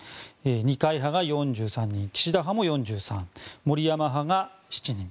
二階派が４３人岸田派も４３森山派が７人。